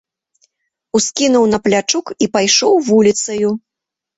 Ускінуў на плячук і пайшоў вуліцаю.